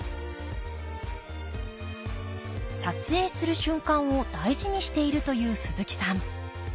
撮影する瞬間を大事にしているという鈴木さん。